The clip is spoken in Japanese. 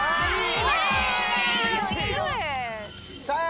さあ！